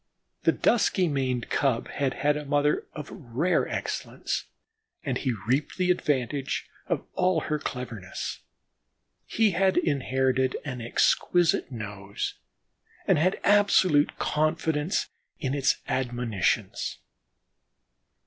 The dusky maned cub had had a mother of rare excellence and he reaped the advantage of all her cleverness. He had inherited an exquisite nose and had absolute confidence in its admonitions.